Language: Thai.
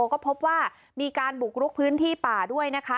ก็พบว่ามีการบุกรุกพื้นที่ป่าด้วยนะคะ